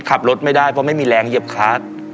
ขับรถไม่ได้เพราะไม่มีแรงเหยียบคาร์ด